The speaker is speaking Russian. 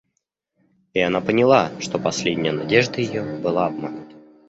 И она поняла, что последняя надежда ее была обманута.